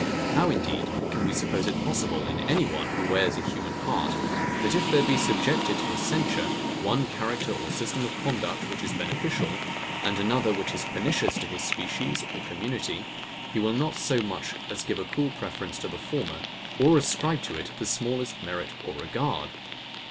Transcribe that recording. How, indeed, can we suppose it possible in any one, who wears a human heart, that if there be subjected to his censure, one character or system of conduct, which is beneficial, and another which is pernicious to his species or community, he will not so much as give a cool preference to the former, or ascribe to it the smallest merit or regard?